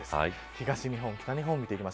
東日本、北日本です。